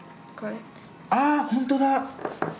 あほんとだ。